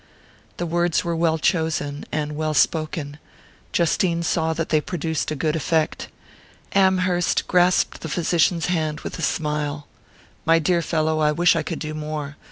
The words were well chosen, and well spoken; Justine saw that they produced a good effect. Amherst grasped the physician's hand with a smile. "My dear fellow, I wish I could do more.